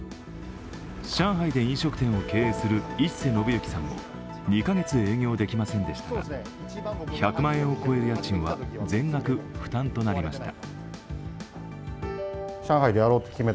上海で飲食店を経営する一瀬展之さんも、２カ月、営業できませんでしたが１００万円を超える家賃は全額、負担となりました。